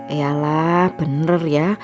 eh alah bener ya